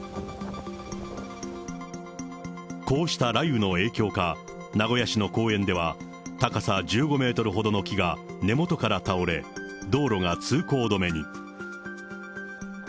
こうした雷雨の影響か、名古屋市の公園では高さ１５メートルほどの木が根元から倒れ、道路が通行止めに。